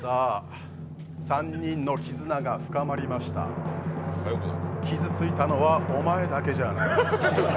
３人の絆が深まりました、傷ついたのはお前だけじゃない。